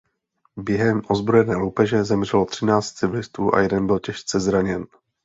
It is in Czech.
Během ozbrojené loupeže zemřelo třináct civilistů a jeden byl těžce zraněn.